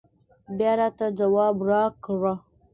بيا راته ځواب راکړه